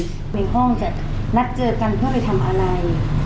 ในห้องจะนัดเจอกันเพื่อไปทำอะไร